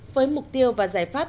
với mục tiêu và giải pháp